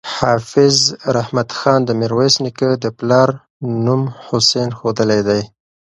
حافظ رحمت خان د میرویس نیکه د پلار نوم حسین ښودلی دی.